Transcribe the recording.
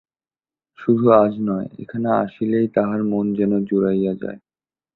শুধু আজ নয়, এখানে আসিলেই তাহার মন যেন জুড়াইয়া যায়।